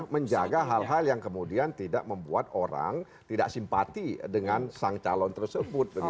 menjaga hal hal yang kemudian tidak membuat orang tidak simpati dengan sang calon tersebut